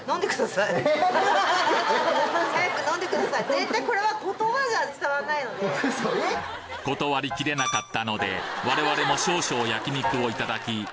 絶対これは。断りきれなかったので我々も少々焼き肉をいただき